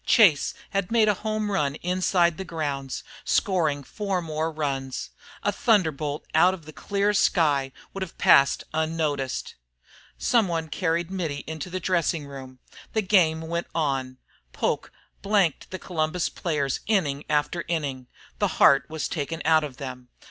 Chase had made a home run inside the grounds, scoring four more runs! A thunderbolt out of the clear sky would have passed unnoticed. Somebody carried Mittie into the dressing room. The game went on. Poke blanked the Columbus players inning after inning. The heart was taken out of them.